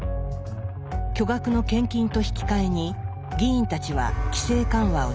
巨額の献金と引き換えに議員たちは規制緩和を実施。